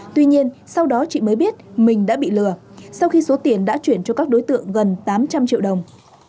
tuy nhiên sau đó chị mới biết mình đã bị lừa sau khi số tiền đã chuyển cho các đối tượng gần tám trăm linh triệu đồng